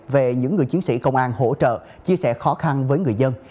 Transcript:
về những người chiến sĩ công an hỗ trợ chia sẻ khó khăn với người dân